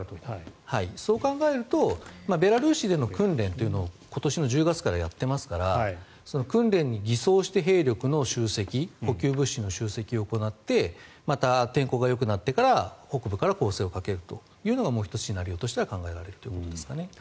そう考えるとベラルーシでの訓練というのを去年の１０月からやっていますから訓練に偽装して兵力の集積補給物資の集積を行ってまた天候がよくなってから北部から攻勢をかけるというのがもう１つシナリオとして考えられるところです。